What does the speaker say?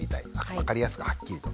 分かりやすくはっきりと。